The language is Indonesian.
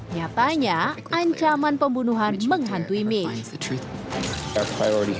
nyatanya ancaman pembunuhan menghantu mitch